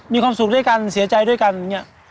มีความสุขด้วยกันเสียใจด้วยกันอย่างนี้